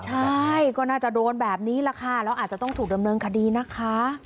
ใช่ก็น่าจะโดนแบบนี้แหละค่ะแล้วอาจจะต้องถูกดำเนินคดีนะคะ